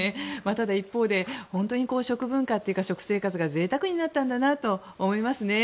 ただ一方で本当に食文化というか食生活がぜいたくになったんだなと思いますね。